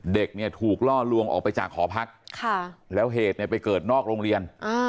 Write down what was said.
เด็กเนี่ยถูกล่อลวงออกไปจากหอพักแล้วเหตุเนี่ยไปเกิดนอกโรงเรียน